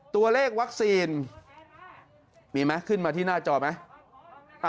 ตัวเลขวัคซีนมีไหมขึ้นมาที่หน้าจอไหม